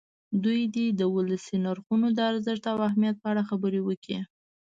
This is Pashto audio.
دوی دې د ولسي نرخونو د ارزښت او اهمیت په اړه خبرې وکړي.